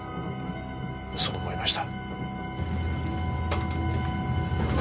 そう思いました。